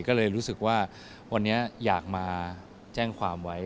ก็เลยรู้สึกว่าวันนี้อยากมาแจ้งความไว้